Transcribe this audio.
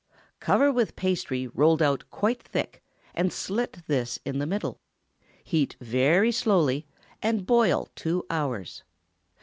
Cover with pastry rolled out quite thick, and slit this in the middle. Heat very slowly, and boil two hours.